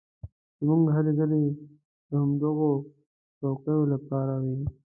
زموږ هلې ځلې د همدغو څوکیو لپاره وې.